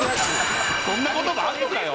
そんな言葉あるのかよ。